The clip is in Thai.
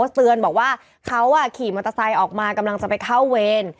เตือนบอกว่าเขาขี่มอเตอร์ไซค์ออกมากำลังจะไปเข้าเวร